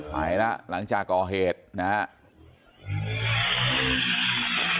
ไปแล้วหลังจากก่อเหตุนะครับ